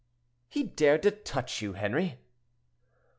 "He dared to touch you, Henri?"